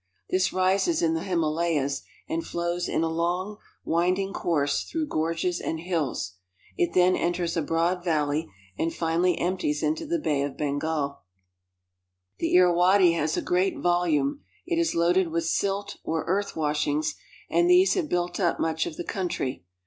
This rises in the Himalayas and flows in a long, wind ing course through gorges and hills. It then enters a broad valley and finally empties into the Bay of Bengal. 212 IN BRITISH BURMA The Irawadi has a great volume. It is loaded with silt or earth washings, and these have built up much of the coun try.